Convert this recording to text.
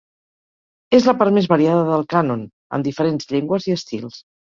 És la part més variada del cànon, amb diferents llengües i estils.